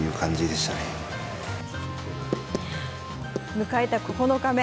迎えた９日目。